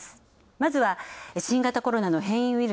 まずは、新型コロナの変異ウイル